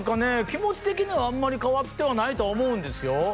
気持ち的にはあんまり変わってはないとは思うんですよ